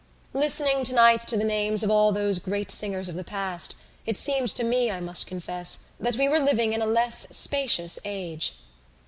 Listening tonight to the names of all those great singers of the past it seemed to me, I must confess, that we were living in a less spacious age.